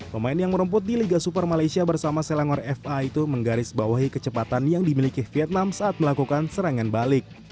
pemain yang merumput di liga super malaysia bersama selangor fa itu menggaris bawahi kecepatan yang dimiliki vietnam saat melakukan serangan balik